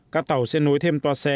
các tàu sẽ nối thêm toa xe